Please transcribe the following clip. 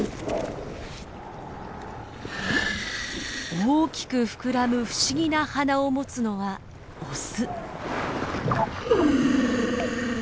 大きく膨らむ不思議な鼻を持つのはオス。